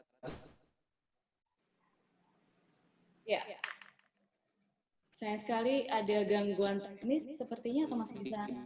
sayang sekali ada gangguan teknis sepertinya atau masih bisa